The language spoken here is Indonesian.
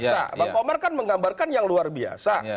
pak komar menggambarkan yang luar biasa